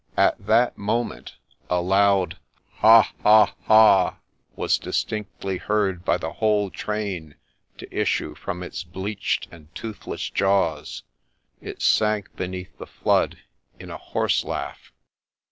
At that moment a loud ' Ha ! ha ! ha !' was distinctly heard by the whole train to issue from its bleached and toothless jaws : it sank beneath the flood in a horse laugh.